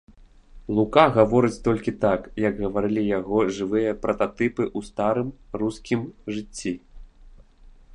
Лука гаворыць толькі так, як гаварылі яго жывыя прататыпы ў старым рускім жыцці.